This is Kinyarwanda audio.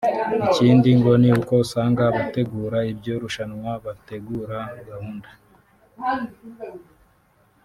Ikindi ngo ni uko usanga abategura iryo rushanwa bategura gahunda